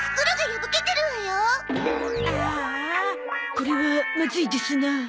これはまずいですなあ。